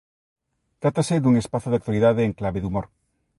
Trátase dun espazo de actualidade en clave de humor.